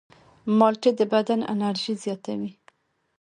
مالټې د بدن انرژي زیاتوي.